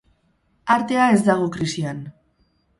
Artea ez dago krisian.